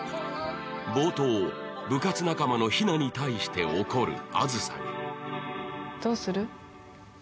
冒頭、部活仲間のヒナに対して怒るどうする？